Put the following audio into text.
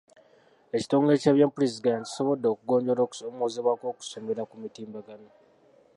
Ekitongole ky'ebyempuliziganya kisobodde okugonjoola okusoomoozebwa kw'okusomera ku mutimbagano